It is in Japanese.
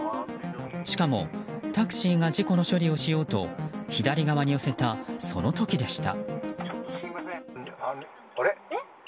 しかもタクシーが事故の処理をしようと左側に寄せた、その時でした。